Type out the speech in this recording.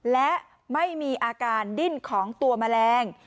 และไม่มีอาการดิ้นของตัวแมลง